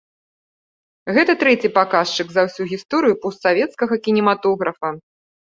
Гэта трэці паказчык за ўсю гісторыю постсавецкага кінематографа.